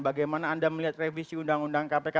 bagaimana anda melihat revisi undang undang kpk